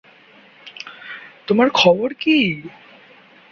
তোমার খবর কি?